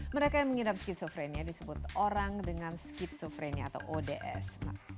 mereka yang mengidap skizofrenia disebut orang dengan skizofrenia atau ods